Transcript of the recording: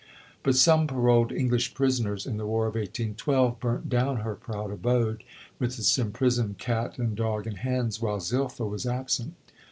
But some paroled English prisoners in the War of 1812, burnt down her proud abode, with its imprisoned cat and dog and hens, while Zilpha was absent.